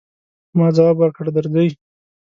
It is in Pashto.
ما ځواب ورکړ، درځئ.